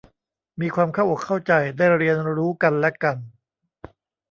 มีความเข้าอกเข้าใจได้เรียนรู้กันและกัน